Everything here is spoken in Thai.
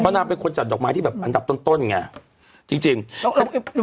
นางเป็นคนจัดดอกไม้ที่แบบอันดับต้นต้นไงจริงจริงแล้ว